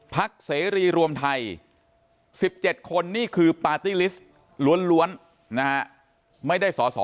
เสรีรวมไทย๑๗คนนี่คือปาร์ตี้ลิสต์ล้วนไม่ได้สอสอ